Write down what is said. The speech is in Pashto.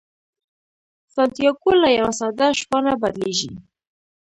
سانتیاګو له یوه ساده شپانه بدلیږي.